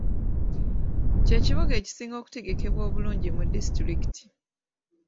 Ky'ekibuga ekisinga okutegekebwa obulungi mu disitulikiti